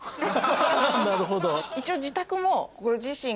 なるほど。